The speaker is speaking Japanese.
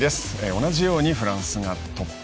同じようにフランスがトップ。